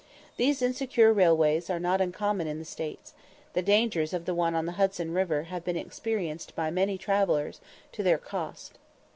These insecure railways are not uncommon in the States; the dangers of the one on the Hudson river have been experienced by many travellers to their cost.